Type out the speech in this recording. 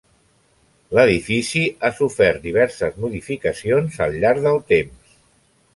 L'edifici ha sofert diverses modificacions al llarg del temps.